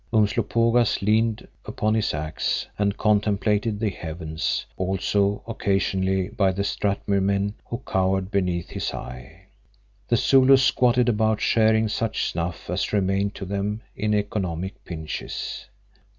Umslopogaas leaned upon his axe and contemplated the heavens, also occasionally the Strathmuir men who cowered beneath his eye. The Zulus squatted about sharing such snuff as remained to them in economic pinches.